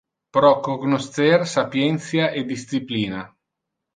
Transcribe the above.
Pro cognoscer sapientia e disciplina.